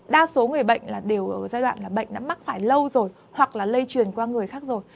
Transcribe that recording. đa số người bệnh đều ở giai đoạn là bệnh đã mắc phải lâu rồi hoặc là lây truyền qua người khác rồi